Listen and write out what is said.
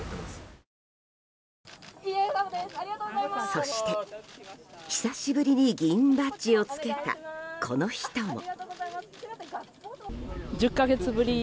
そして、久しぶりに議員バッジをつけたこの人も。